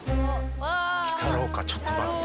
鬼太郎かちょっと待って。